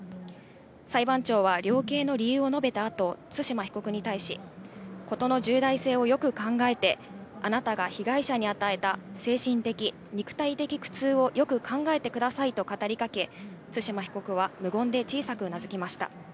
裁判長は量刑の理由を述べたあと、対馬被告に対し、事の重大性をよく考えて、あなたが被害者に与えた精神的、肉体的苦痛をよく考えてくださいと語りかけ、対馬被告は無言で小さくうなずきました。